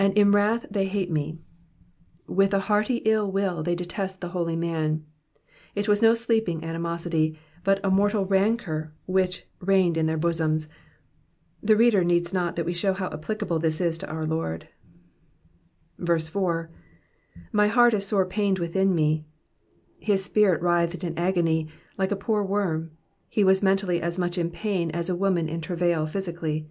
^^And in wrath they hate me,'''* With a hearty ill will they detested the holy man. It was no sleeping animosity, but a moral rancour which reigned in their bosoms. The reader needs not that we show how applicable this is to our Lord. 4. ''My heart is sore pained within me,'*'* His spirit writhed in agony, like a poor worm ; he was mentally as much in pain as a woman in travail physically.